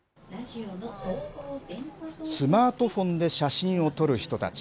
スマートフォンで写真を撮る人たち。